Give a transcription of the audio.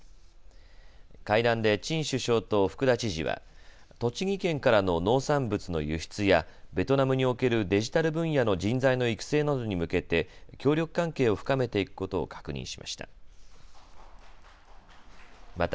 会談でチン首相と福田知事は栃木県からの農産物の輸出やベトナムにおけるデジタル分野の人材の育成などに向けて協力関係を深めていくことを確認しました。